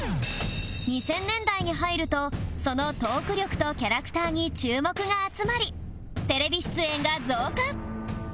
２０００年代に入るとそのトーク力とキャラクターに注目が集まりテレビ出演が増加